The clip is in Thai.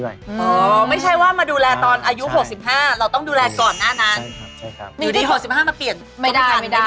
อุ๊ยพ่อเป็นอ่ะเบาหวานความดันอ่ะ